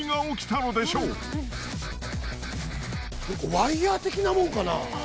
ワイヤー的なもんかな？